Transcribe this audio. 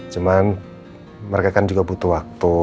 cuman mereka kan juga butuh waktu